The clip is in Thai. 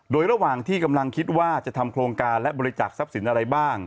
โดยระหว่างที่กำลังคิดว่าจะทำโครงการและบริจักษ์ทรัพย์สินอะไรบ้าง